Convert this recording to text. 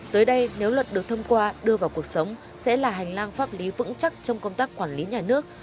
tới đây nếu luật được thông qua đưa vào cuộc sống sẽ là hành lang pháp lý vững chắc trong công tác quản lý nhà nước